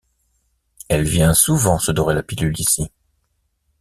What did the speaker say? Elle vient souvent se dorer la pilule, ici.